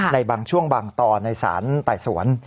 ในบางช่วงบางตอนในสารไต่สวน